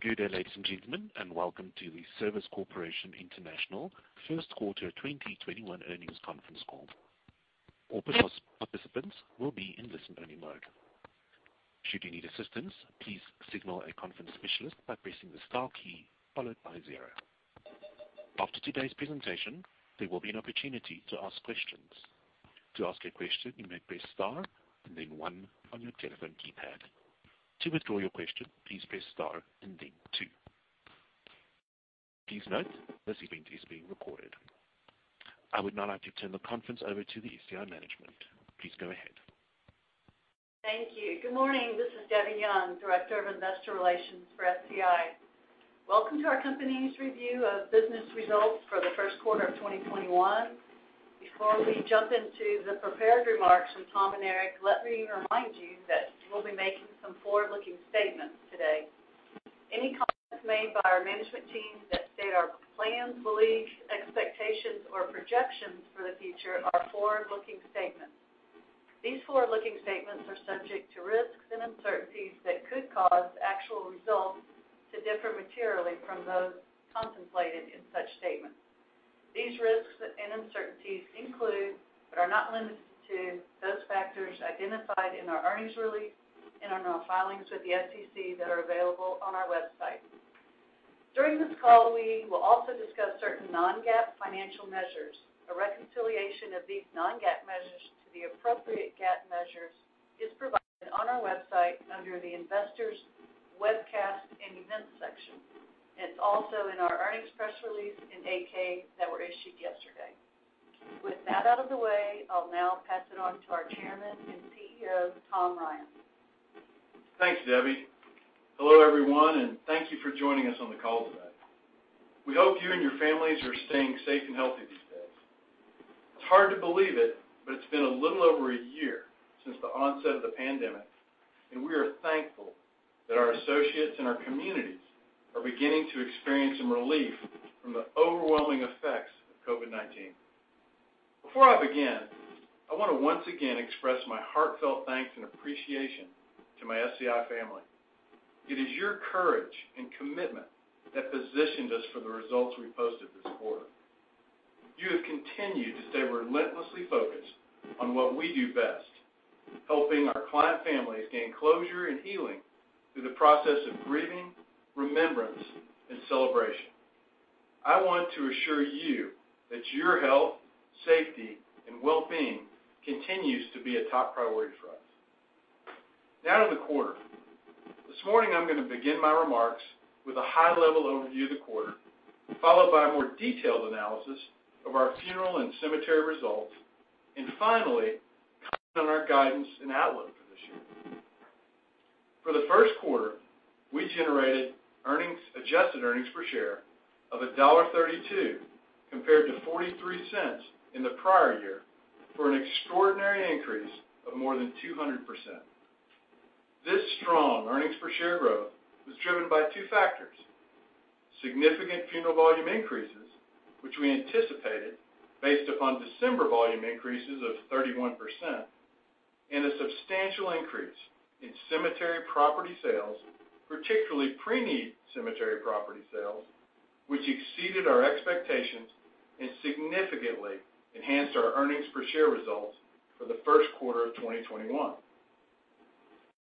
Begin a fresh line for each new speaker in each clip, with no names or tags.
Good day, ladies and gentlemen, and welcome to the Service Corporation International first quarter 2021 earnings conference call. All participants will be in listen-only mode. Should you need assistance, please signal a conference speacialist by pressing the star key, followed by zero. After todays presentation, there will be an opportunity to ask a question. To ask a question, you may press star and then one on your telephone keypad. To withdraw your question, please press star then two. Please note that this event is being recorded. I would now like to turn the conference over to the SCI management. Please go ahead.
Thank you. Good morning. This is Debbie Young, Director of Investor Relations for SCI. Welcome to our company's review of business results for the first quarter of 2021. Before we jump into the prepared remarks from Tom and Eric, let me remind you that we'll be making some forward-looking statements today. Any comments made by our management team that state our plans, beliefs, expectations, or projections for the future are forward-looking statements. These forward-looking statements are subject to risks and uncertainties that could cause actual results to differ materially from those contemplated in such statements. These risks and uncertainties include, but are not limited to, those factors identified in our earnings release and in our filings with the SEC that are available on our website. During this call, we will also discuss certain non-GAAP financial measures. A reconciliation of these non-GAAP measures to the appropriate GAAP measures is provided on our website under the Investors, Webcasts and Events section. It's also in our earnings press release in 8-K that were issued yesterday. With that out of the way, I'll now pass it on to our Chairman and Chief Executive Officer, Tom Ryan.
Thanks, Debbie. Hello, everyone, and thank you for joining us on the call today. We hope you and your families are staying safe and healthy these days. It's hard to believe it, but it's been a little over a year since the onset of the pandemic, and we are thankful that our associates and our communities are beginning to experience some relief from the overwhelming effects of COVID-19. Before I begin, I want to once again express my heartfelt thanks and appreciation to my SCI family. It is your courage and commitment that positioned us for the results we posted this quarter. You have continued to stay relentlessly focused on what we do best, helping our client families gain closure and healing through the process of grieving, remembrance, and celebration. I want to assure you that your health, safety, and well-being continues to be a top priority for us. Now to the quarter. This morning, I'm going to begin my remarks with a high-level overview of the quarter, followed by a more detailed analysis of our funeral and cemetery results, and finally, comment on our guidance and outlook for this year. For the first quarter, we generated adjusted earnings per share of $1.32 compared to $0.43 in the prior year for an extraordinary increase of more than 200%. This strong earnings per share growth was driven by two factors. Significant funeral volume increases, which we anticipated based upon December volume increases of 31%, and a substantial increase in cemetery property sales, particularly pre-need cemetery property sales, which exceeded our expectations and significantly enhanced our earnings per share results for the first quarter of 2021.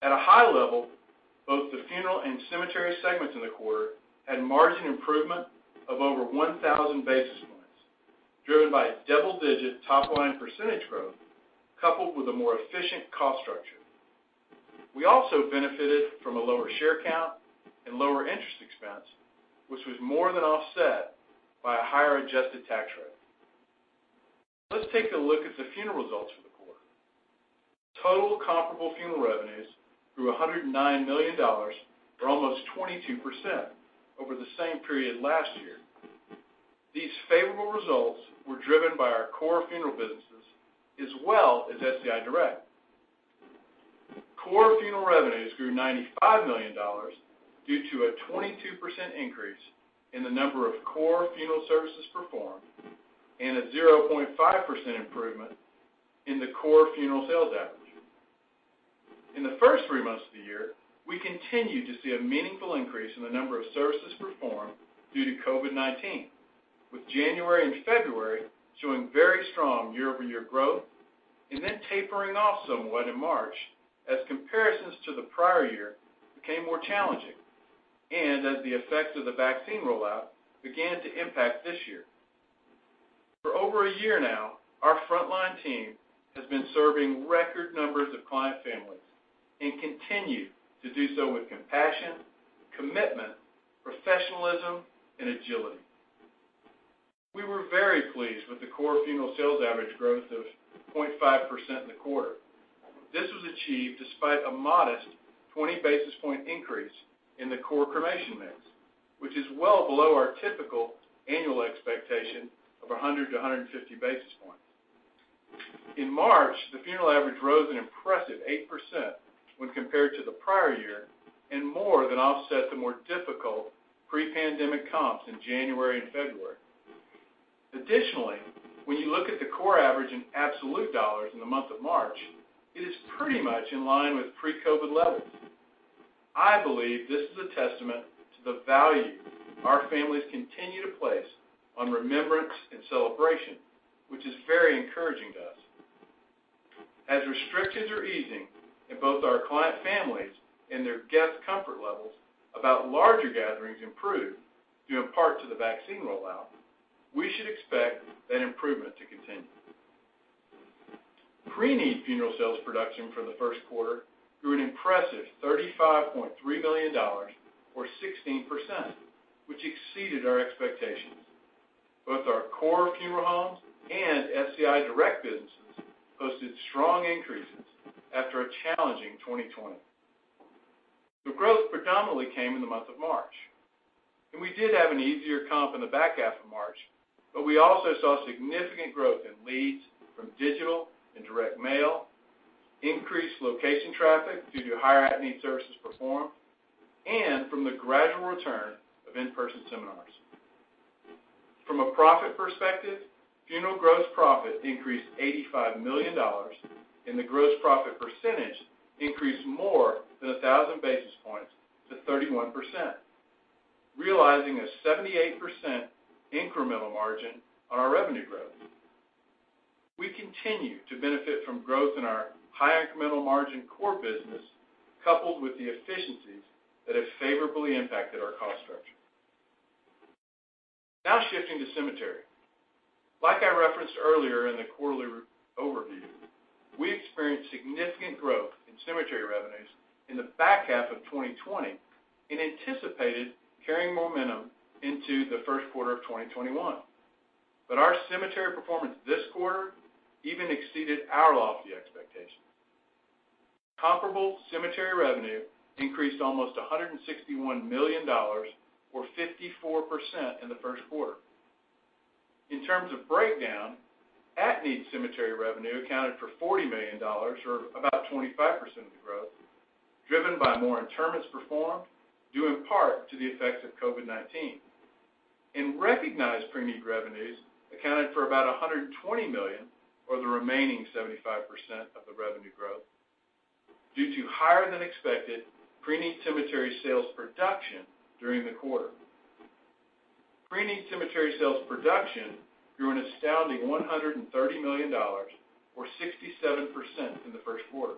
At a high level, both the funeral and cemetery segments in the quarter had margin improvement of over 1,000 basis points, driven by double-digit top-line percentage growth, coupled with a more efficient cost structure. We also benefited from a lower share count and lower interest expense, which was more than offset by a higher adjusted tax rate. Let's take a look at the funeral results for the quarter. Total comparable funeral revenues grew $109 million, or almost 22%, over the same period last year. These favorable results were driven by our core funeral businesses as well as SCI Direct. Core funeral revenues grew $95 million due to a 22% increase in the number of core funeral services performed and a 0.5% improvement in the core funeral sales average. In the first three months of the year, we continued to see a meaningful increase in the number of services performed due to COVID-19, with January and February showing very strong year-over-year growth and then tapering off somewhat in March as comparisons to the prior year became more challenging and as the effects of the vaccine rollout began to impact this year. For over a year now, our frontline team has been serving record numbers of client families and continue to do so with compassion, commitment, professionalism, and agility. We were very pleased with the core funeral sales average growth of 0.5% in the quarter. This was achieved despite a modest 20 basis point increase in the core cremation mix, which is well below our typical annual expectation of 100 to 150 basis points. In March, the funeral average rose an impressive 8% when compared to the prior year and more than offset the more difficult pre-pandemic comps in January and February. Additionally, when you look at the core average in absolute dollars in the month of March, it is pretty much in line with pre-COVID levels. I believe this is a testament to the value our families continue to place on remembrance and celebration, which is very encouraging to us. As restrictions are easing and both our client families and their guest comfort levels about larger gatherings improve, due in part to the vaccine rollout, we should expect that improvement to continue. Preneed funeral sales production for the first quarter grew an impressive $35.3 million, or 16%, which exceeded our expectations. Both our core funeral homes and SCI Direct businesses posted strong increases after a challenging 2020. The growth predominantly came in the month of March, and we did have an easier comp in the back half of March, but we also saw significant growth in leads from digital and direct mail, increased location traffic due to higher at-need services performed, and from the gradual return of in-person seminars. From a profit perspective, funeral gross profit increased $85 million, and the gross profit percentage increased more than 1,000 basis points to 31%, realizing a 78% incremental margin on our revenue growth. We continue to benefit from growth in our high incremental margin core business, coupled with the efficiencies that have favorably impacted our cost structure. Now shifting to cemetery. Like I referenced earlier in the quarterly overview, we experienced significant growth in cemetery revenues in the back half of 2020 and anticipated carrying momentum into the first quarter of 2021. Our cemetery performance this quarter even exceeded our lofty expectations. Comparable cemetery revenue increased almost $161 million, or 54%, in the first quarter. In terms of breakdown, at-need cemetery revenue accounted for $40 million, or about 25% of the growth, driven by more interments performed, due in part to the effects of COVID-19. Recognized preneed revenues accounted for about $120 million, or the remaining 75% of the revenue growth, due to higher than expected preneed cemetery sales production during the quarter. Preneed cemetery sales production grew an astounding $130 million, or 67%, in the first quarter.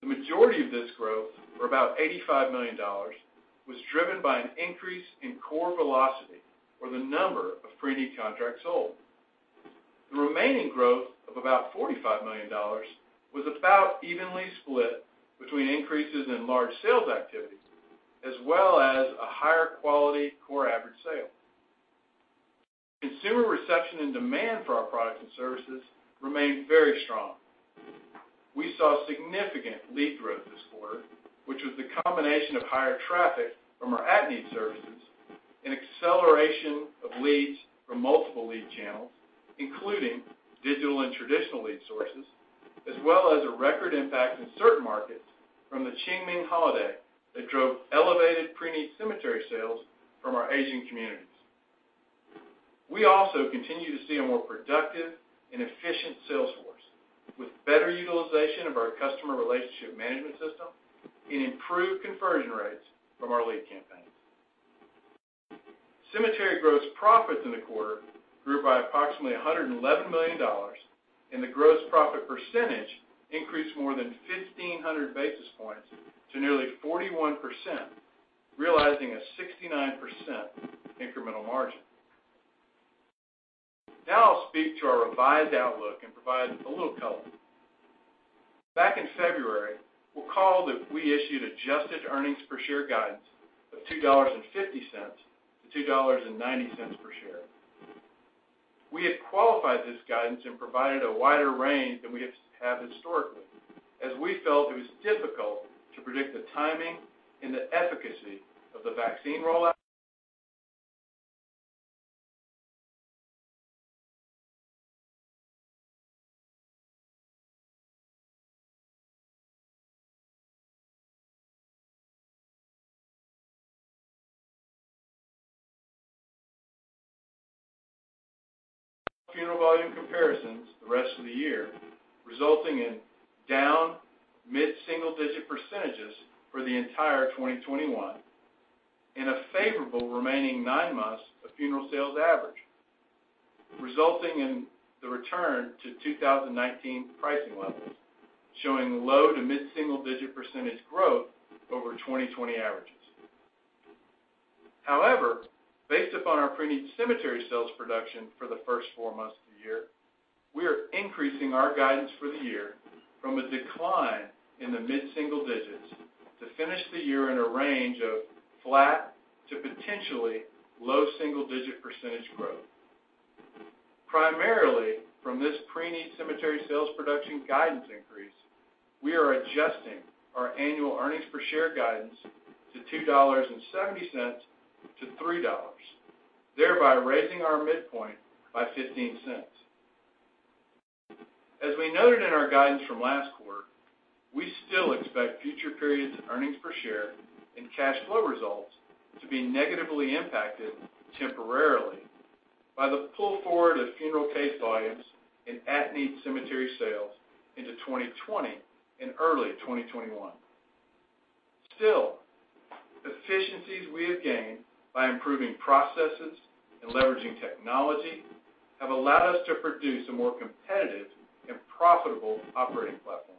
The majority of this growth, for about $85 million, was driven by an increase in core velocity or the number of preneed contracts sold. The remaining growth of about $45 million was about evenly split between increases in large sales activities, as well as a higher quality core average sale. Consumer reception and demand for our products and services remained very strong. We saw significant lead growth this quarter, which was the combination of higher traffic from our at-need services, an acceleration of leads from multiple lead channels, including digital and traditional lead sources, as well as a record impact in certain markets from the Qingming holiday that drove elevated preneed cemetery sales from our aging communities. We also continue to see a more productive and efficient sales force with better utilization of our customer relationship management system and improved conversion rates from our lead campaigns. Cemetery gross profits in the quarter grew by approximately $111 million, and the gross profit percentage increased more than 1,500 basis points to nearly 41%, realizing a 69% incremental margin. Now I'll speak to our revised outlook and provide a little color. Back in February, recall that we issued adjusted earnings per share guidance of $2.50-$2.90 per share. We had qualified this guidance and provided a wider range than we have had historically, as we felt it was difficult to predict the timing and the efficacy of the vaccine rollout. Funeral volume comparisons the rest of the year, resulting in down mid-single-digit percentages for the entire 2021, and a favorable remaining nine months of funeral sales average, resulting in the return to 2019 pricing levels, showing low to mid-single-digit percentage growth over 2020 averages. Based upon our pre-need cemetery sales production for the first four months of the year, we are increasing our guidance for the year from a decline in the mid-single digits to finish the year in a range of flat to potentially low double-digit percentage growth. Primarily from this preneed cemetery sales production guidance increase, we are adjusting our annual earnings per share guidance to $2.70-$3, thereby raising our midpoint by $0.15. As we noted in our guidance from last quarter, we still expect future periods of earnings per share and cash flow results to be negatively impacted temporarily by the pull forward of funeral case volumes and at-need cemetery sales into 2020 and early 2021. Still, efficiencies we have gained by improving processes and leveraging technology have allowed us to produce a more competitive and profitable operating platform.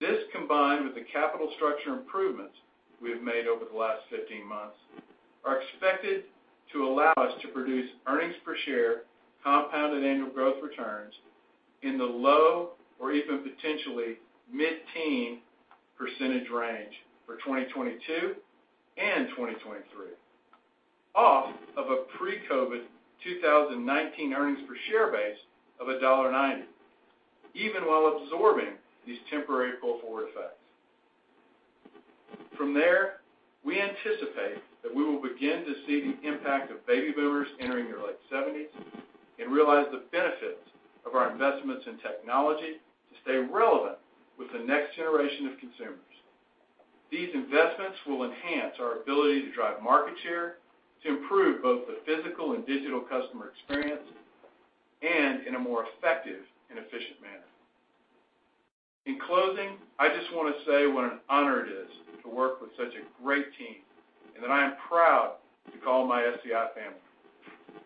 This, combined with the capital structure improvements we have made over the last 15 months, are expected to allow us to produce earnings per share compounded annual growth returns in the low or even potentially mid-teen percentage range for 2022 and 2023, off of a pre-COVID-19 2019 earnings per share base of $1.90, even while absorbing these temporary pull-forward effects. From there, we anticipate that we will begin to see the impact of baby boomers entering their late 70s and realize the benefits of our investments in technology to stay relevant with the next generation of consumers. These investments will enhance our ability to drive market share, to improve both the physical and digital customer experience, and in a more effective and efficient manner. In closing, I just want to say what an honor it is to work with such a great team, and that I am proud to call my SCI family.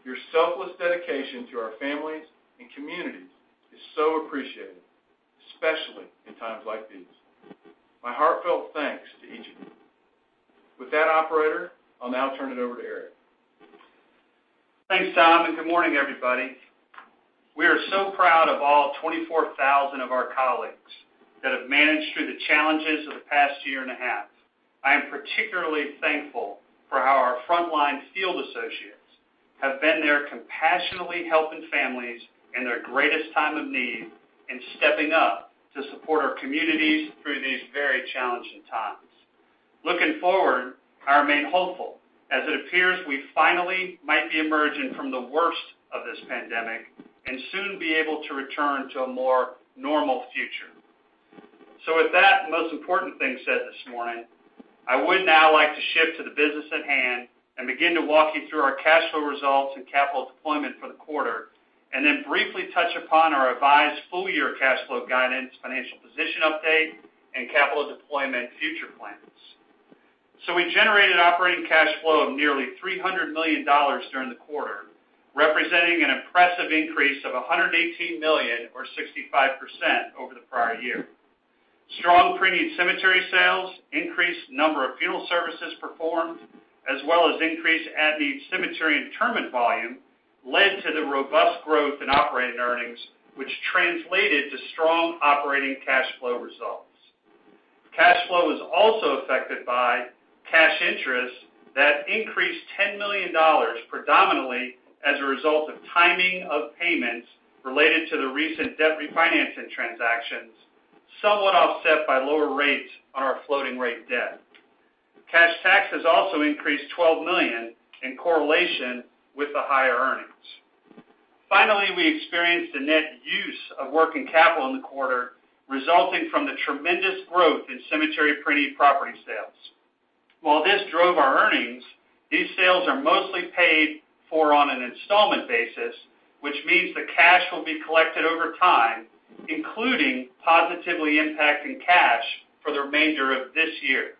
Your selfless dedication to our families and communities is so appreciated, especially in times like these. My heartfelt thanks to each of you. With that, operator, I'll now turn it over to Eric.
Thanks, Tom, and good morning, everybody. We are so proud of all 24,000 of our colleagues that have managed through the challenges of the past 1.5 year. I am particularly thankful for how our frontline field associates have been there compassionately helping families in their greatest time of need and stepping up to support our communities through these very challenging times. Looking forward, I remain hopeful as it appears we finally might be emerging from the worst of this pandemic and soon be able to return to a more normal future. With that most important thing said this morning, I would now like to shift to the business at hand and begin to walk you through our cash flow results and capital deployment for the quarter, and then briefly touch upon our revised full-year cash flow guidance, financial position update, and capital deployment future plans. We generated operating cash flow of nearly $300 million during the quarter, representing an impressive increase of $118 million or 65% over the prior year. Strong preneed cemetery sales, increased number of funeral services performed, as well as increased at-need cemetery interment volume led to the robust growth in operating earnings, which translated to strong operating cash flow results. Cash flow was also affected by cash interest that increased $10 million predominantly as a result of timing of payments related to the recent debt refinancing transactions, somewhat offset by lower rates on our floating-rate debt. Cash taxes also increased $12 million in correlation with the higher earnings. Finally, we experienced a net use of working capital in the quarter, resulting from the tremendous growth in cemetery preneed property sales. While this drove our earnings, these sales are mostly paid for on an installment basis, which means the cash will be collected over time, including positively impacting cash for the remainder of this year.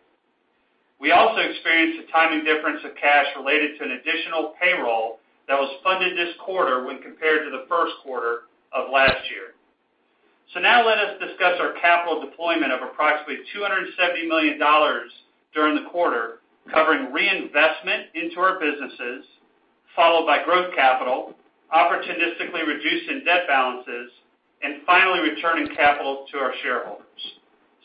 We also experienced a timing difference of cash related to an additional payroll that was funded this quarter when compared to the first quarter of last year. Now let us discuss our capital deployment of approximately $270 million during the quarter, covering reinvestment into our businesses, followed by growth capital, opportunistically reducing debt balances, and finally, returning capital to our shareholders.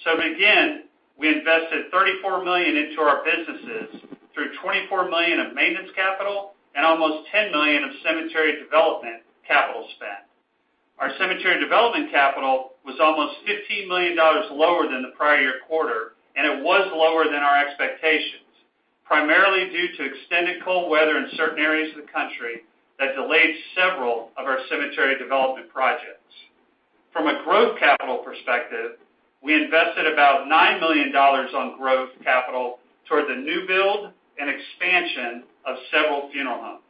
Again, we invested $34 million into our businesses through $24 million of maintenance capital and almost $10 million of cemetery development capital spend. Our cemetery development capital was almost $15 million lower than the prior year quarter. It was lower than our expectations, primarily due to extended cold weather in certain areas of the country that delayed several of our cemetery development projects. From a growth capital perspective, we invested about $9 million on growth capital toward the new build and expansion of several funeral homes.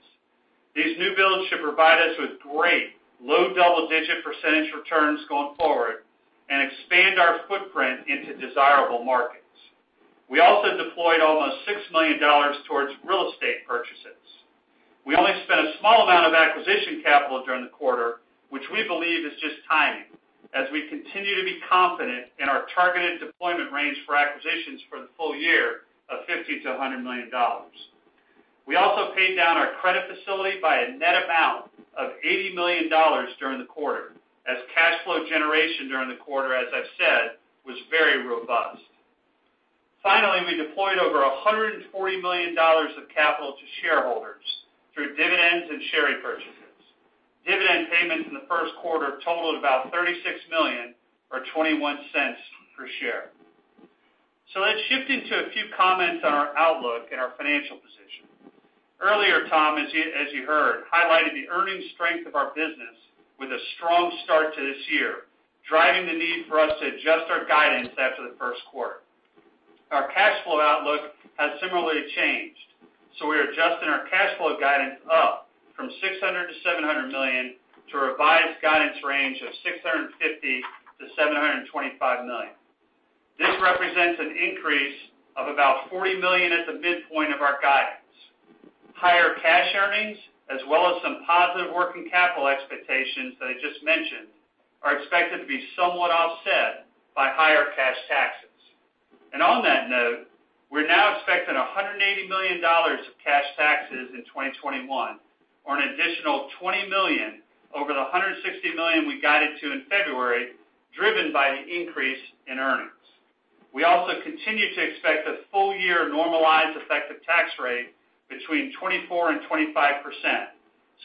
These new builds should provide us with great low double-digit percentage returns going forward and expand our footprint into desirable markets. We also deployed almost $6 million towards real estate purchases. We only spent a small amount of acquisition capital during the quarter, which we believe is just timing as we continue to be confident in our targeted deployment range for acquisitions for the full year of $50 million-$100 million. We also paid down our credit facility by a net amount of $80 million during the quarter, as cash flow generation during the quarter, as I've said, was very robust. Finally, we deployed over $140 million of capital to shareholders through dividends and share repurchases. Dividend payments in the first quarter totaled about $36 million, or $0.21 per share. Let's shift into a few comments on our outlook and our financial position. Earlier, Tom, as you heard, highlighted the earnings strength of our business with a strong start to this year, driving the need for us to adjust our guidance after the first quarter. Our cash flow outlook has similarly changed, so we're adjusting our cash flow guidance up from $600 million-$700 million to a revised guidance range of $650 million-$725 million. This represents an increase of about $40 million at the midpoint of our guidance. Higher cash earnings, as well as some positive working capital expectations that I just mentioned, are expected to be somewhat offset by higher cash taxes. On that note, we're now expecting $180 million of cash taxes in 2021, or an additional $20 million over the $160 million we guided to in February, driven by the increase in earnings. We also continue to expect a full-year normalized effective tax rate between 24% and 25%.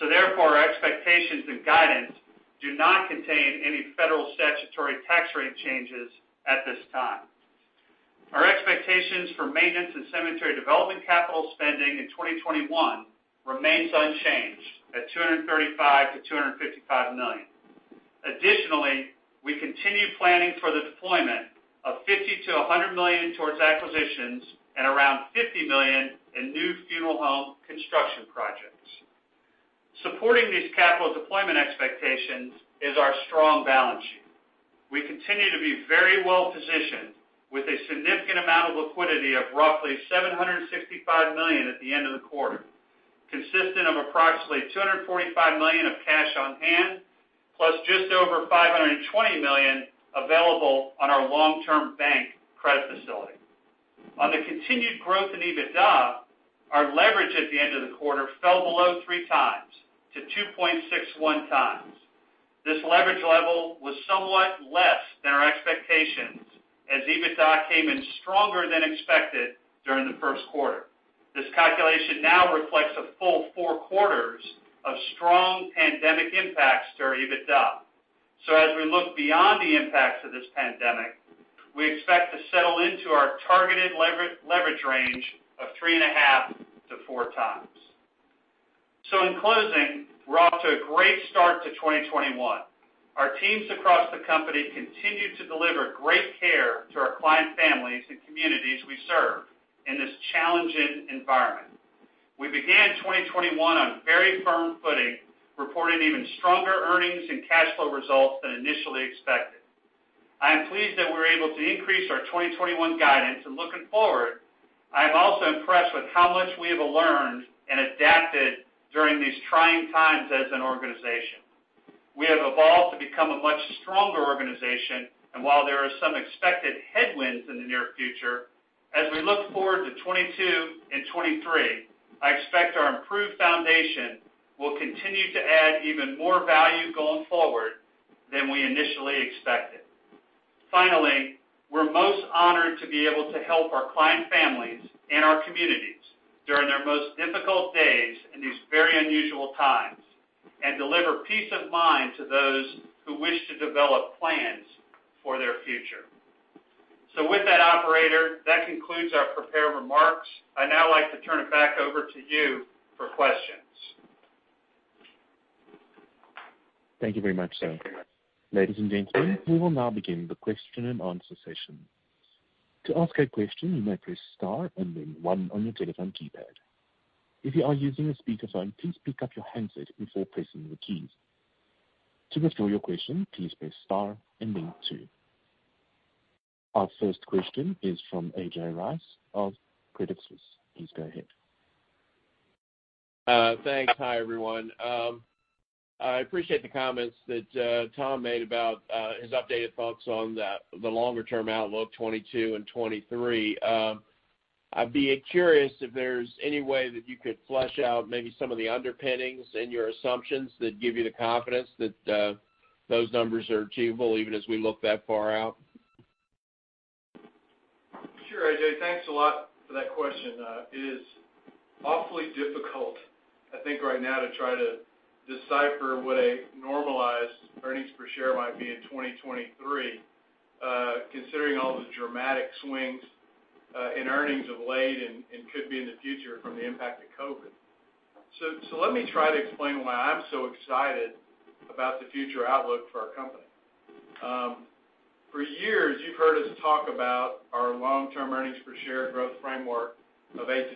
Therefore, our expectations and guidance do not contain any federal statutory tax rate changes at this time. Our expectations for maintenance and cemetery development capital spending in 2021 remains unchanged at $235 million-$255 million. Additionally, we continue planning for the deployment of $50 million-$100 million towards acquisitions and around $50 million in new funeral home construction projects. Supporting these capital deployment expectations is our strong balance sheet. We continue to be very well-positioned with a significant amount of liquidity of roughly $765 million at the end of the quarter, consistent of approximately $245 million of cash on hand, plus just over $520 million available on our long-term bank credit facility. On the continued growth in EBITDA, our leverage at the end of the quarter fell below 3x to 2.61x. This leverage level was somewhat less than our expectations as EBITDA came in stronger than expected during the first quarter. This calculation now reflects a full four quarters of strong pandemic impacts to our EBITDA. As we look beyond the impacts of this pandemic, we expect to settle into our targeted leverage range of 3.5x-4x. In closing, we're off to a great start to 2021. Our teams across the company continue to deliver great care to our client families and communities we serve in this challenging environment. We began 2021 on very firm footing, reporting even stronger earnings and cash flow results than initially expected. I am pleased that we're able to increase our 2021 guidance. Looking forward, I am also impressed with how much we have learned and adapted during these trying times as an organization. We have evolved to become a much stronger organization, and while there are some expected headwinds in the near future, as we look forward to 2022 and 2023, I expect our improved foundation will continue to add even more value going forward than we initially expected. We're most honored to be able to help our client families and our communities during their most difficult days in these very unusual times, and deliver peace of mind to those who wish to develop plans for their future. With that, operator, that concludes our prepared remarks. I'd now like to turn it back over to you for questions.
Thank you very much, sir. Ladies and gentlemen, we will now begin the question-and-answer session. To ask a question, you may press star and then one on your telephone keypad. If you are using a speakerphone, please pick up your handset before pressing the keys. To withdraw your question please press star and then two. Our first question is from A.J. Rice of Credit Suisse. Please go ahead.
Thanks. Hi, everyone. I appreciate the comments that Tom made about his updated thoughts on the longer-term outlook 2022 and 2023. I'd be curious if there's any way that you could flesh out maybe some of the underpinnings in your assumptions that give you the confidence that those numbers are achievable, even as we look that far out?
Sure, A.J. Thanks a lot for that question. It is awfully difficult, I think right now, to try to decipher what a normalized earnings per share might be in 2023, considering all the dramatic swings in earnings of late and could be in the future from the impact of COVID. Let me try to explain why I'm so excited about the future outlook for our company. For years, you've heard us talk about our long-term earnings per share growth framework of 8%-12%.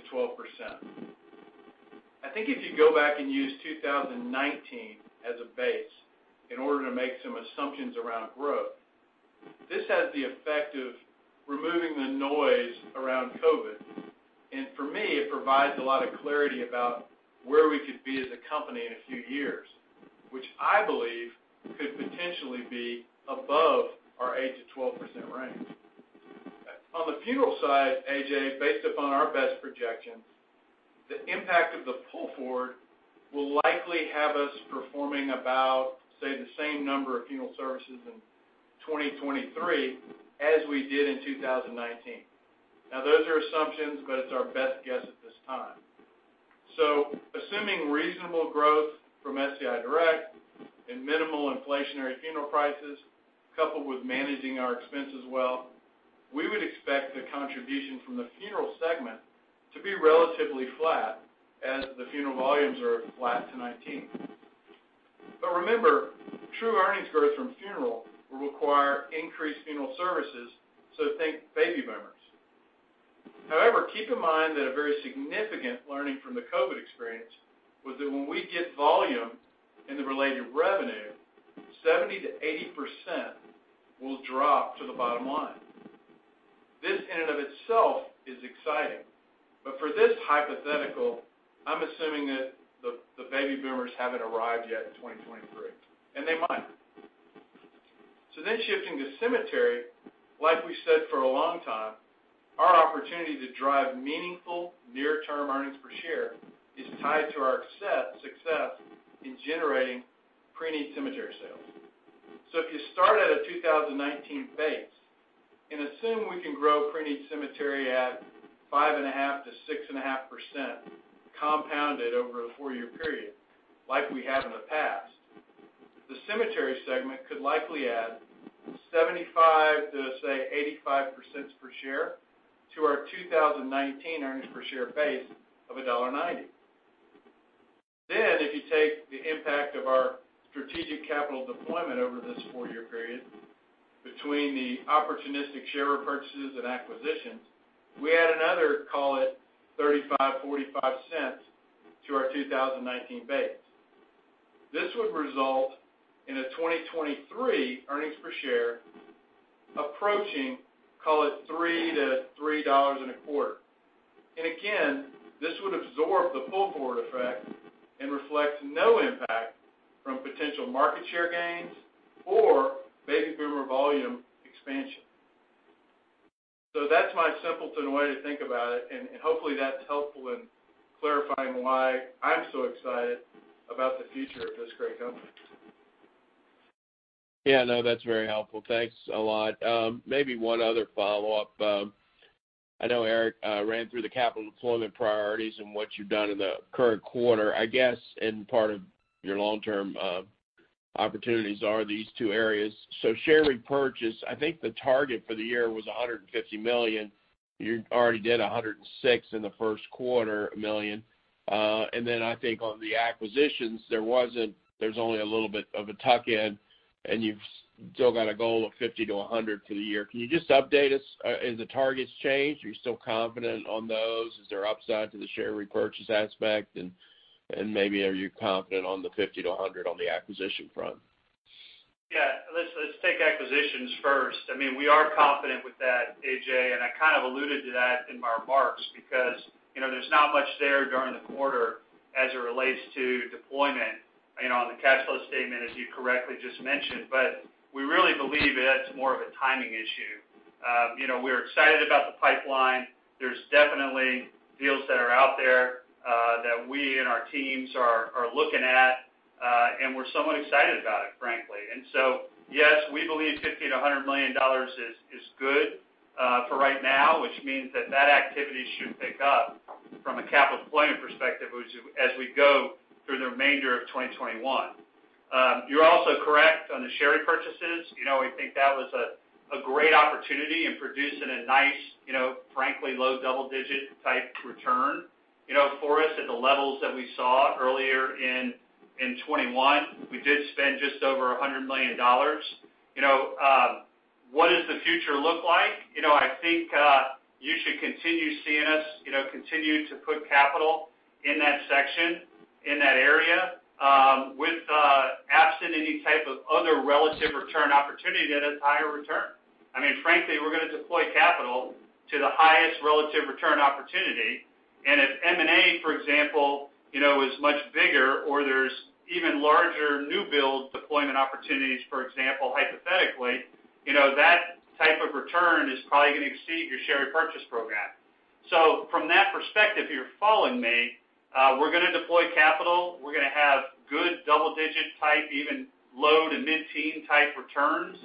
I think if you go back and use 2019 as a base in order to make some assumptions around growth, this has the effect of removing the noise around COVID. For me, it provides a lot of clarity about where we could be as a company in a few years, which I believe could potentially be above our 8%-12% range. On the funeral side, A.J., based upon our best projections, the impact of the pull forward will likely have us performing about, say, the same number of funeral services in 2023 as we did in 2019. Now, those are assumptions, but it's our best guess at this time. Assuming reasonable growth from SCI Direct and minimal inflationary funeral prices, coupled with managing our expenses well, we would expect the contribution from the funeral segment to be relatively flat as the funeral volumes are flat to 2019. Remember, true earnings growth from funeral will require increased funeral services, so think baby boomers. However, keep in mind that a very significant learning from the COVID-19 experience was that when we get volume and the related revenue, 70%-80% will drop to the bottom line. This in and of itself is exciting, but for this hypothetical, I'm assuming that the baby boomers haven't arrived yet in 2023, and they might. Shifting to cemetery, like we said, for a long time, our opportunity to drive meaningful near-term earnings per share is tied to our success in generating preneed cemetery sales. If you start at a 2019 base and assume we can grow preneed cemetery at 5.5%-6.5% compounded over a four-year period like we have in the past, the cemetery segment could likely add $0.75-$0.85 per share to our 2019 earnings per share base of $1.90. If you take the impact of our strategic capital deployment over this four-year period between the opportunistic share repurchases and acquisitions, we add another, call it $0.35-$0.45 to our 2019 base. This would result in a 2023 earnings per share approaching, call it $3-$3.25. Again, this would absorb the pull-forward effect and reflects no impact from potential market share gains or baby boomer volume expansion. That's my simpleton way to think about it, and hopefully that's helpful in clarifying why I'm so excited about the future of this great company.
No, that's very helpful. Thanks a lot. Maybe one other follow-up. I know Eric ran through the capital deployment priorities and what you've done in the current quarter, I guess, part of your long-term opportunities are these two areas. Share repurchase, I think the target for the year was $150 million. You already did $106 million in the first quarter. Then I think on the acquisitions, there's only a little bit of a tuck-in, and you've still got a goal of $50 million-$100 million for the year. Can you just update us? Have the targets changed? Are you still confident on those? Is there upside to the share repurchase aspect? Maybe are you confident on the $50 million-$100 million on the acquisition front?
Yeah. Let's take acquisitions first. We are confident with that, A.J., I kind of alluded to that in my remarks because there's not much there during the quarter as it relates to deployment on the cash flow statement, as you correctly just mentioned. We really believe that's more of a timing issue. We're excited about the pipeline. There's definitely deals that are out there that we and our teams are looking at, we're somewhat excited about it, frankly. Yes, we believe $50 million-$100 million is good for right now, which means that that activity should pick up from a capital deployment perspective as we go through the remainder of 2021. You're also correct on the share repurchases. We think that was a great opportunity in producing a nice, frankly, low double-digit type return for us at the levels that we saw earlier in 2021. We did spend just over $100 million. What does the future look like? I think you should continue seeing us continue to put capital in that section, in that area, with absent any type of other relative return opportunity that has higher return. Frankly, we're going to deploy capital to the highest relative return opportunity, and if M&A, for example, is much bigger or there's even larger new build deployment opportunities, for example, hypothetically, that type of return is probably going to exceed your share repurchase program. From that perspective, if you're following me, we're going to deploy capital. We're going to have good double-digit type, even low- to mid-teen type returns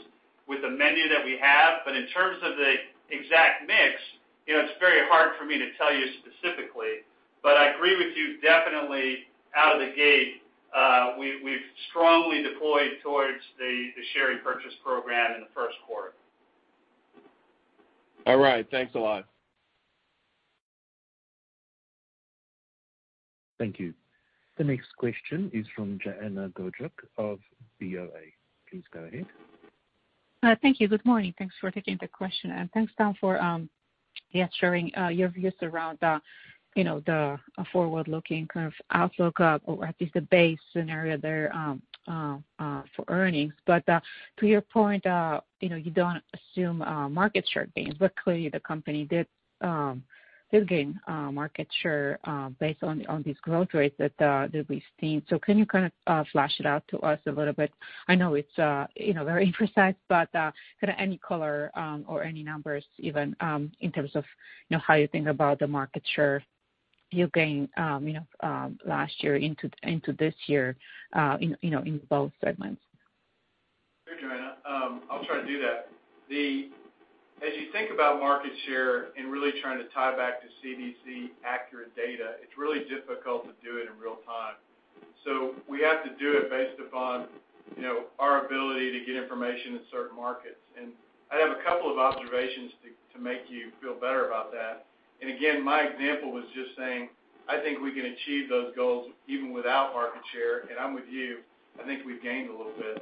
with the menu that we have. In terms of the exact mix, it's very hard for me to tell you specifically, but I agree with you definitely out of the gate. We've strongly deployed towards the share repurchase program in the first quarter.
All right. Thanks a lot.
Thank you. The next question is from Joanna Gajuk of BofA. Please go ahead.
Thank you. Good morning. Thanks for taking the question, and thanks, Tom, for sharing your views around the forward-looking kind of outlook, or at least the base scenario there for earnings. To your point, you don't assume market share gains, but clearly the company did gain market share based on these growth rates that they've been seeing. Can you kind of flash it out to us a little bit? I know it's very imprecise, but kind of any color or any numbers even in terms of how you think about the market share you gained last year into this year in both segments.
I'll try to do that. As you think about market share and really trying to tie back to CDC accurate data, it's really difficult to do it in real time. We have to do it based upon our ability to get information in certain markets. I have a couple of observations to make you feel better about that. Again, my example was just saying, I think we can achieve those goals even without market share. I'm with you. I think we've gained a little bit,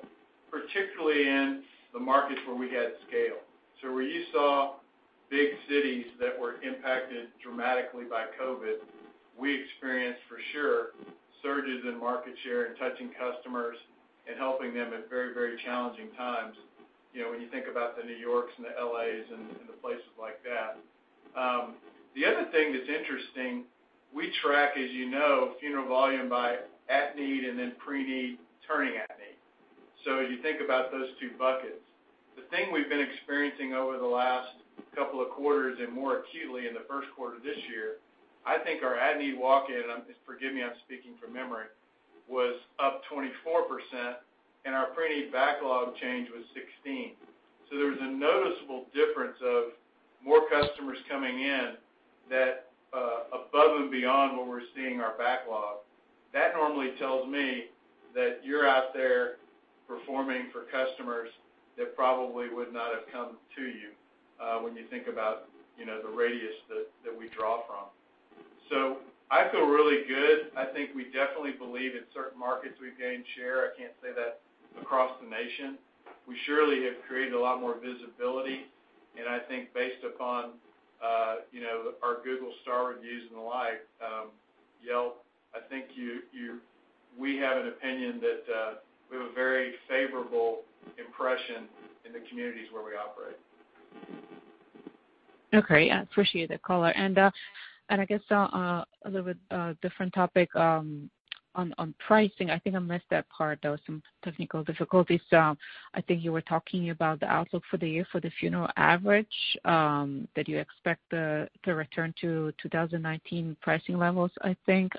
particularly in the markets where we had scale. Where you saw big cities that were impacted dramatically by COVID-19, we experienced for sure surges in market share and touching customers and helping them at very challenging times. When you think about the New Yorks and the L.A.s and the places like that. The other thing that's interesting, we track, as you know, funeral volume by at-need and then preneed turning at-need. As you think about those two buckets, the thing we've been experiencing over the last couple of quarters and more acutely in the first quarter this year, I think our at-need walk-in, forgive me, I'm speaking from memory, was up 24%, and our preneed backlog change was 16%. There was a noticeable difference of more customers coming in that above and beyond what we're seeing our backlog. That normally tells me that you're out there performing for customers that probably would not have come to you, when you think about the radius that we draw from. I feel really good. I think we definitely believe in certain markets we've gained share. I can't say that across the nation. We surely have created a lot more visibility, and I think based upon our Google star reviews and the like, Yelp, I think we have an opinion that we have a very favorable impression in the communities where we operate.
Okay. I appreciate that, collor. I guess a little bit different topic on pricing. I think I missed that part. There was some technical difficulties. I think you were talking about the outlook for the year for the funeral average, that you expect to return to 2019 pricing levels, I think.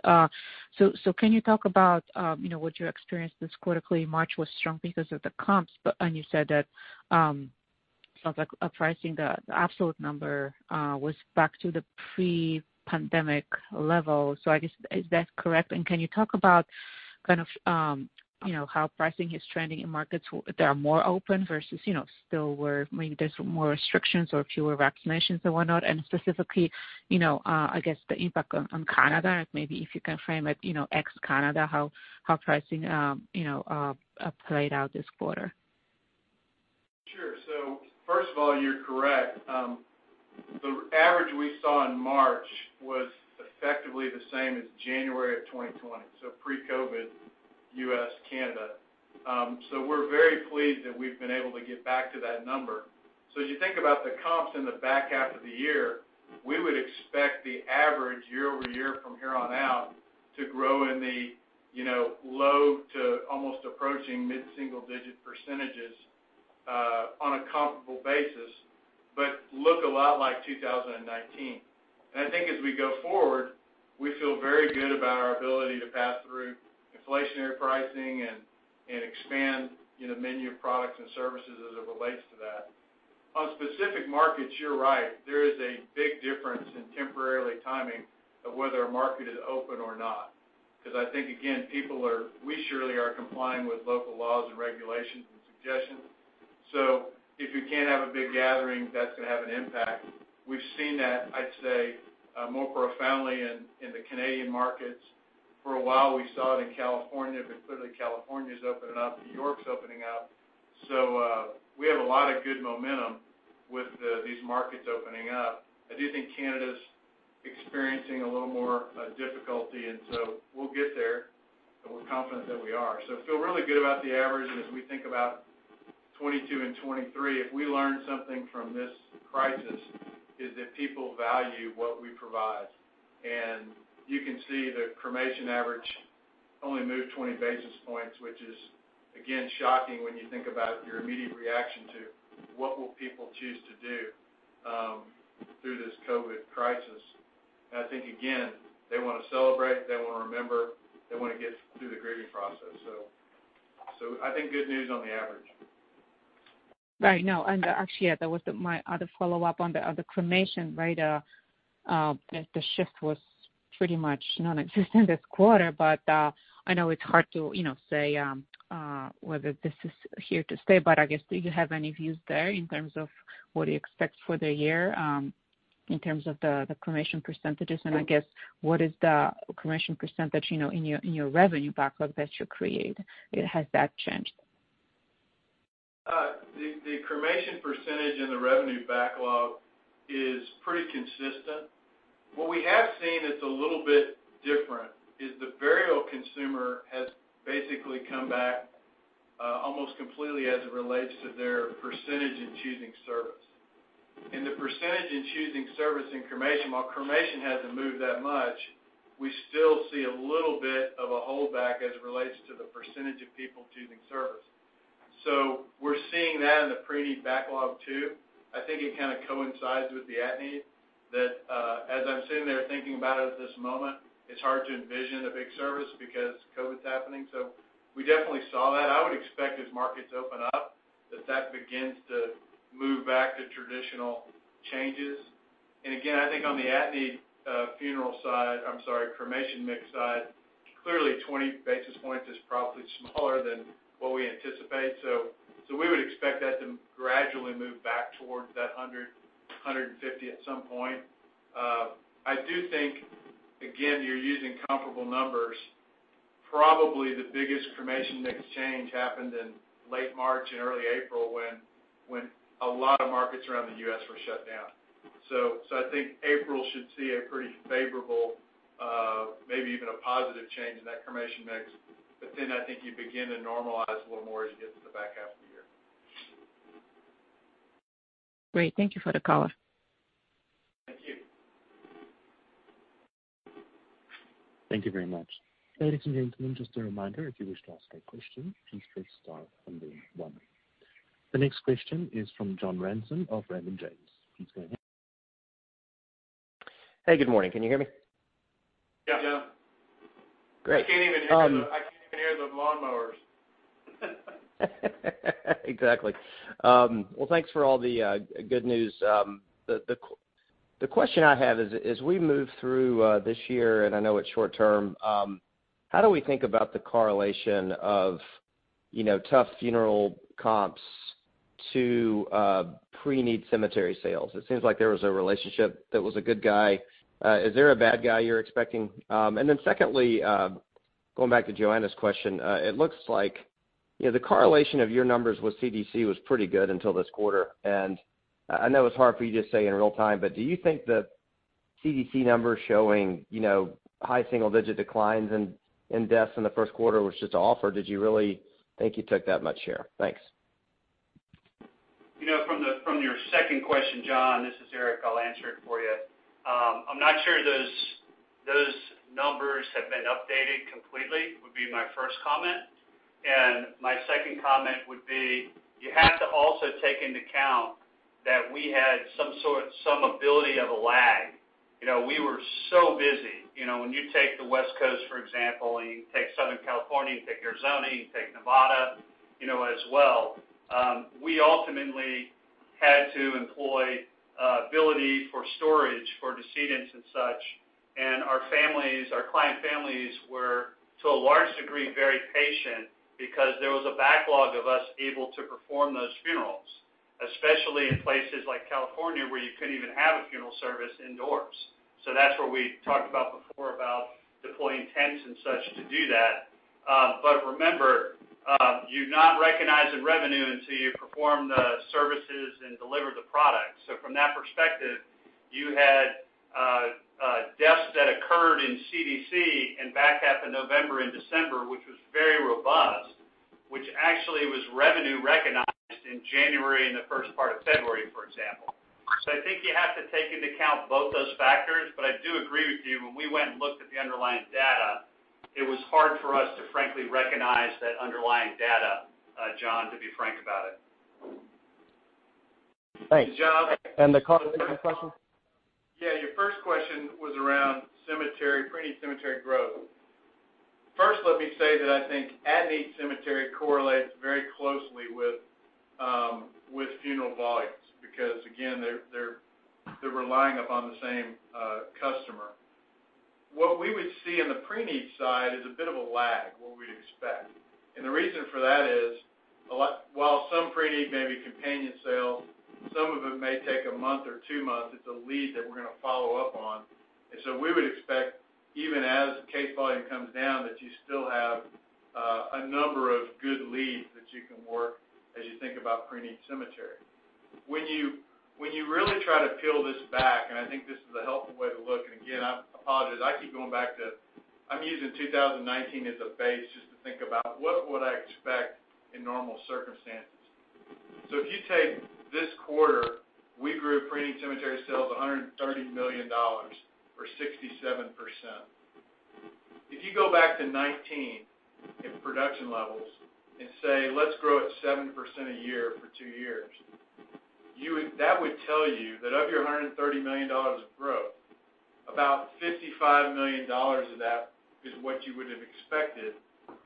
Can you talk about what you experienced this quarterly? March was strong because of the comps, and you said that pricing the absolute number was back to the pre-pandemic level. I guess, is that correct? Can you talk about how pricing is trending in markets that are more open versus still where maybe there's more restrictions or fewer vaccinations and whatnot, and specifically, I guess the impact on Canada, maybe if you can frame it, ex Canada, how pricing played out this quarter?
Sure. First of all, you're correct. The average we saw in March was effectively the same as January of 2020, pre-COVID, U.S., Canada. We're very pleased that we've been able to get back to that number. As you think about the comps in the back half of the year, we would expect the average year-over-year from here on out to grow in the low to almost approaching mid-single-digit percentages on a comparable basis, but look a lot like 2019. I think as we go forward, we feel very good about our ability to pass through inflationary pricing and expand menu of products and services as it relates to that. On specific markets, you're right. There is a big difference in temporarily timing of whether a market is open or not. I think, again, we surely are complying with local laws and regulations and suggestions. If you can't have a big gathering, that's going to have an impact. We've seen that, I'd say, more profoundly in the Canadian markets. For a while, we saw it in California, but clearly California's opening up, New York's opening up. We have a lot of good momentum with these markets opening up. I do think Canada's experiencing a little more difficulty, and so we'll get there, and we're confident that we are. Feel really good about the averages as we think about 2022 and 2023. If we learn something from this crisis is that people value what we provide. You can see the cremation average only moved 20 basis points, which is, again, shocking when you think about your immediate reaction to what will people choose to do through this COVID crisis. I think, again, they want to celebrate, they want to remember, they want to get through the grieving process. I think good news on the average.
Right. No, actually, that was my other follow-up on the cremation. The shift was pretty much nonexistent this quarter, but I know it's hard to say whether this is here to stay, but I guess, do you have any views there in terms of what you expect for the year in terms of the cremation percentages? I guess what is the cremation percentage in your revenue backlog that you create? Has that changed?
The cremation percentage in the revenue backlog is pretty consistent. What we have seen that's a little bit different is the burial consumer has basically come back almost completely as it relates to their percentage in choosing service. The percentage in choosing service and cremation, while cremation hasn't moved that much, we still see a little bit of a holdback as it relates to the percentage of people choosing service. We're seeing that in the preneed backlog, too. I think it kind of coincides with the at-need. As I'm sitting there thinking about it at this moment, it's hard to envision a big service because COVID's happening. We definitely saw that. I would expect as markets open up that that begins to move back to traditional changes. Again, I think on the at-need funeral side, I'm sorry, cremation mix side, clearly 20 basis points is probably smaller than what we anticipate. We would expect that to gradually move back towards that 100, 150 at some point. I do think, again, you're using comparable numbers. Probably the biggest cremation mix change happened in late March and early April when a lot of markets around the U.S. were shut down. I think April should see a pretty favorable, maybe even a positive change in that cremation mix.
I think you begin to normalize a little more as you get to the back half of the year.
Great. Thank you for the color.
Thank you.
Thank you very much. Ladies and gentlemen, just a reminder, if you wish to ask a question, please press star then one. The next question is from John Ransom of Raymond James.
Hey, good morning. Can you hear me?
Yeah.
Yeah.
Great.
I can't even hear the lawnmowers.
Exactly. Well, thanks for all the good news. The question I have is, as we move through this year, and I know it's short term, how do we think about the correlation of tough funeral comps to preneed cemetery sales? It seems like there was a relationship that was a good guy. Is there a bad guy you're expecting? Secondly, going back to Joanna Gajuk's question, it looks like the correlation of your numbers with CDC was pretty good until this quarter, and I know it's hard for you to say in real time, but do you think the CDC numbers showing high single-digit declines in deaths in the first quarter was just off, or did you really think you took that much share? Thanks.
From your second question, John, this is Eric, I'll answer it for you. I'm not sure those numbers have been updated completely, would be my first comment. My second comment would be, you have to also take into account that we had some ability of a lag. We were so busy. When you take the West Coast, for example, and you take Southern California, you take Arizona, you take Nevada as well, we ultimately had to employ ability for storage for decedents and such, and our client families were, to a large degree, very patient because there was a backlog of us able to perform those funerals, especially in places like California, where you couldn't even have a funeral service indoors. That's where we talked about before about deploying tents and such to do that. Remember, you do not recognize the revenue until you perform the services and deliver the product. From that perspective, you had deaths that occurred in CDC in back half of November and December, which was very robust, which actually was revenue recognized in January and the first part of February, for example. I think you have to take into account both those factors, but I do agree with you. When we went and looked at the underlying data, it was hard for us to frankly recognize that underlying data, John, to be frank about it.
Thanks. The second question.
Yeah. Your first question was around preneed cemetery growth. First, let me say that I think at-need cemetery correlates very closely with funeral volumes because again, they're relying upon the same customer. What we would see in the preneed side is a bit of a lag, what we'd expect. The reason for that is while some preneed may be companion sales, some of it may take a month or two months. It's a lead that we're going to follow up on. We would expect, even as the case volume comes down, that you still have a number of good leads that you can work as you think about preneed cemetery. When you really try to peel this back, and I think this is a helpful way to look, again, I apologize, I keep going back to, I'm using 2019 as a base just to think about what would I expect in normal circumstances. If you take this quarter, we grew preneed cemetery sales $130 million or 67%. If you go back to 2019 in production levels and say, let's grow at 7% a year for two years, that would tell you that of your $130 million of growth, about $55 million of that is what you would have expected,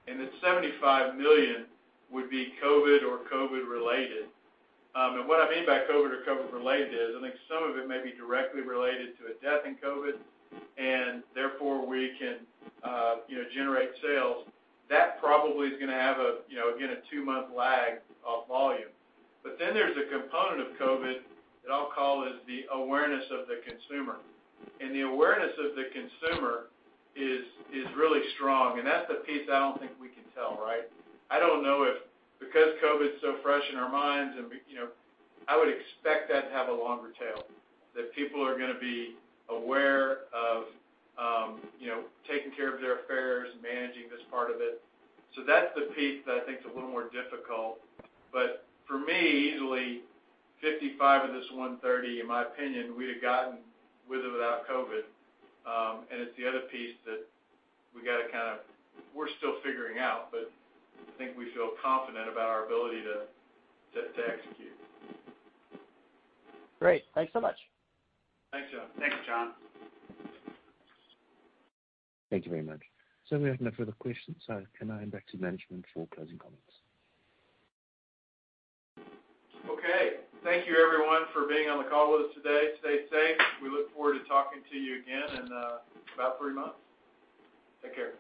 and that $75 million would be COVID or COVID related. What I mean by COVID or COVID related is I think some of it may be directly related to a death in COVID, and therefore we can generate sales. That probably is going to have, again, a two-month lag off volume. There's a component of COVID that I'll call is the awareness of the consumer. The awareness of the consumer is really strong, and that's the piece I don't think we can tell, right? I don't know if because COVID's so fresh in our minds, I would expect that to have a longer tail, that people are going to be aware of taking care of their affairs and managing this part of it. That's the piece that I think is a little more difficult. But for me, easily 55 of this 130, in my opinion, we'd have gotten with or without COVID. It's the other piece that we're still figuring out, but I think we feel confident about our ability to execute.
Great. Thanks so much.
Thanks, John.
Thanks, John.
Thank you very much. We have no further questions, so can I hand back to management for closing comments?
Okay. Thank you everyone for being on the call with us today. Stay safe. We look forward to talking to you again in about three months. Take care.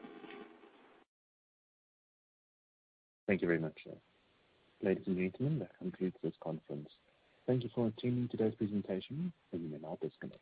Thank you very much, sir. Ladies and gentlemen, that concludes this conference. Thank you for attending today's presentation. You may now disconnect.